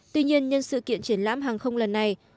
tuy nhiên nhân sự kiện triển lãm hàng không lần này